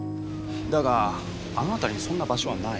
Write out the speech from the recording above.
だがあの辺りにそんな場所はない。